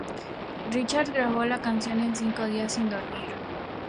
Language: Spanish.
Richards grabó la canción en cinco días sin dormir.